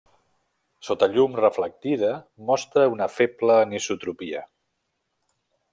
Sota llum reflectida mostra una feble anisotropia.